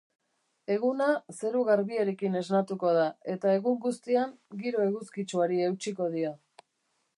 Eguna zeru garbiarekin esnatuko da eta egun guztian giro eguzkitsuari eutsiko dio.